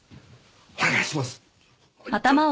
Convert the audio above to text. お願いします。